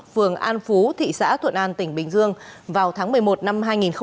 phường an phú thị xã thuận an tỉnh bình dương vào tháng một mươi một năm hai nghìn một mươi chín